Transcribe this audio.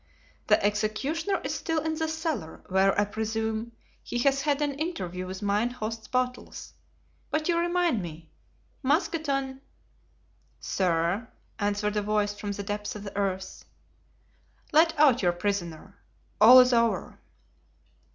"The executioner is still in the cellar, where, I presume, he has had an interview with mine host's bottles. But you remind me. Mousqueton!" "Sir," answered a voice from the depths of the earth. "Let out your prisoner. All is over."